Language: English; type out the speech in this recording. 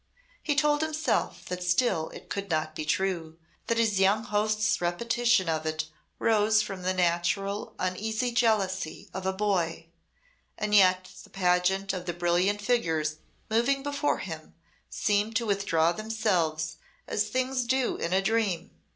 He told himself that still it could not be true, that his young host's repetition of it rose from the natural uneasy jealousy of a boy and yet the pageant of the brilliant figures moving before him seemed to withdraw themselves as things do in a dream.